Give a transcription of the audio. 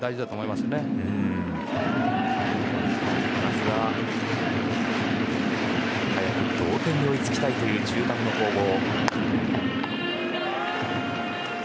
まずは早く同点に追いつきたいという中盤の攻防。